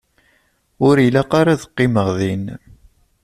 Ur ilaq ara ad qqimeɣ din.